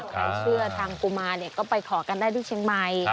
ใครเชื่อทางกุมารก็ไปขอกันได้ที่เชียงใหม่